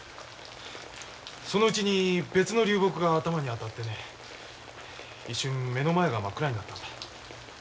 そのうちに別の流木が頭に当たってね一瞬目の前が真っ暗になったんだ。